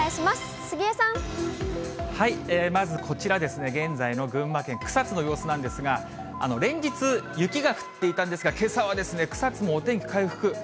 まずこちらですね、現在の群馬県草津の様子なんですが、連日、雪が降っていたんですが、けさは、草津もお天気回復。